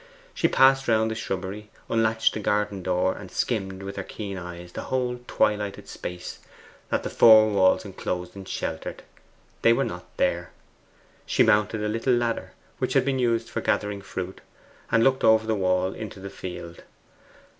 She passed round the shrubbery, unlatched the garden door, and skimmed with her keen eyes the whole twilighted space that the four walls enclosed and sheltered: they were not there. She mounted a little ladder, which had been used for gathering fruit, and looked over the wall into the field.